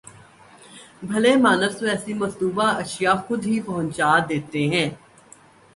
بھلے مانس تو ایسی مطلوبہ اشیاء خود ہی پہنچا دیتے ہیں۔